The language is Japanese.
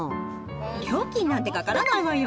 料金なんてかからないわよ。